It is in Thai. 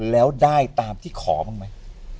แล้วได้ตามที่ขอบ้างไหม